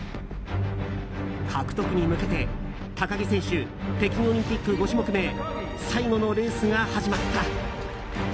獲得に向けて、高木選手北京オリンピック５種目目最後のレースが始まった。